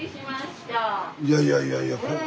いやいやいやいや。